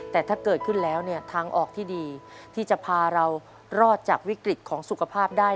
แต่ถ้าเกิดขึ้นแล้วเนี่ยทางออกที่ดีที่จะพาเรารอดจากวิกฤตของสุขภาพได้